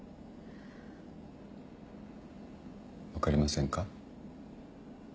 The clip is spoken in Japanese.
分かりませんか。